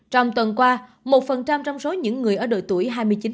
trong tuần qua một phần trăm trong số những người ở đội tuổi hai mươi chín hai mươi hai